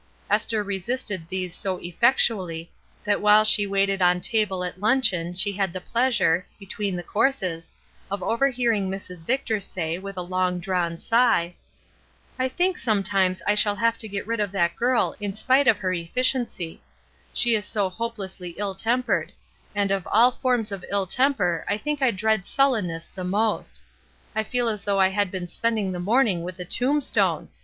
Esther resisted these so effectually that while she waited on table at luncheon she had the pleasure, between the courses, of overhearing Mrs. Victor say, with a long drawn sigh :" I think sometimes I shall have to get rid of that girl in spite of her efficiency ; she is so hopelessly ill tempered ; and of all forms of ill temper I thiak I dread suUen ness the most. I feel as though I had been spending the morning with a tombstone!